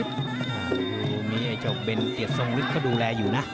ตรงนี้ไอ้เจ้าเบนเกียรติทรงฤทธิก็ดูแลอยู่นะ